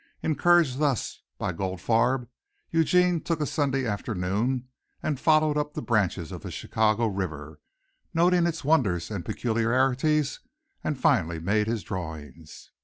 Encouraged thus by Goldfarb Eugene took a Sunday afternoon and followed up the branches of the Chicago River, noting its wonders and peculiarities, and finally made his drawings.